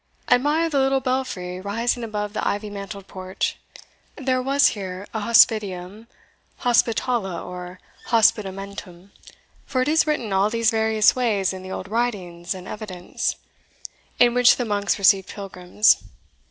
Admire the little belfry rising above the ivy mantled porch there was here a hospitium, hospitale, or hospitamentum (for it is written all these various ways in the old writings and evidents), in which the monks received pilgrims.